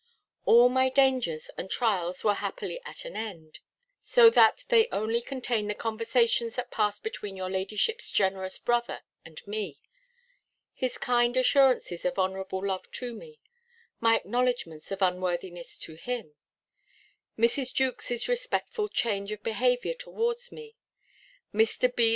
All my dangers and trials were happily at an end: so that they only contain the conversations that passed between your ladyship's generous brother and me; his kind assurances of honourable love to me; my acknowledgments of unworthiness to him; Mrs. Jewkes's respectful change of behaviour towards me; Mr. B.'